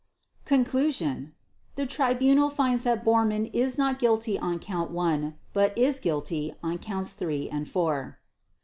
Conclusion The Tribunal finds that Bormann is not guilty on Count One, but is guilty on Counts Three and Four.